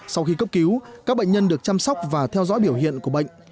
sau khi cấp cứu các bệnh nhân được chăm sóc và theo dõi biểu hiện của bệnh